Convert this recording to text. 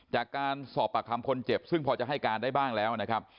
จากการสอบปากคำคนเจ็บซึ่งพอจะให้การได้บ้างแล้วนะครับ